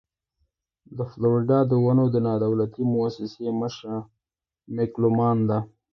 د فلوريډا د ونو د نادولتي مؤسسې مشره مېګ لومان ده.